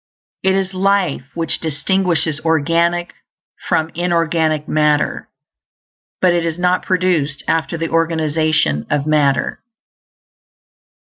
It is life which distinguishes organic from inorganic matter, but it is not produced after the organization of matter.